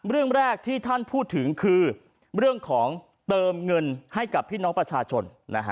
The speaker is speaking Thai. เรื่องแรกที่ท่านพูดถึงคือเรื่องของเติมเงินให้กับพี่น้องประชาชน